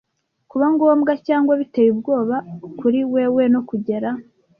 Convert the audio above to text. kuba ngombwa cyangwa biteye ubwoba kuri wewe no kugera